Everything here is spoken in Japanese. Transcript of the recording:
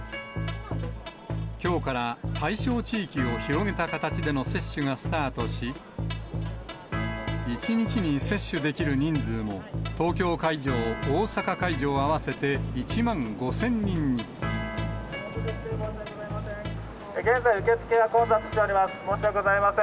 きょうから対象地域を広げた形での接種がスタートし、１日に接種できる人数も、東京会場、大阪会場合わせて１万現在、受付は混雑しております。